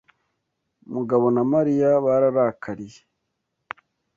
Mugabo na Mariya bararakariye.